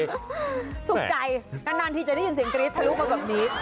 สุขใจนานทีจะได้ยินเสียงกรี๊ดทะลุมาแบบนี้